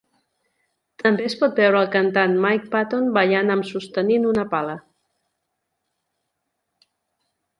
També es pot veure el cantant Mike Patton ballant amb sostenint una pala.